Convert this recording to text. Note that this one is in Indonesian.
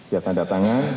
biar tanda tangan